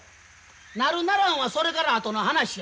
なるならんはそれからあとの話や。